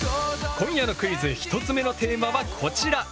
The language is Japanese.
今夜のクイズ１つ目のテーマはこちら。